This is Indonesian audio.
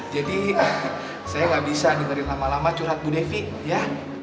jadi saya gak bisa dengerin lama lama curhat bu devi ya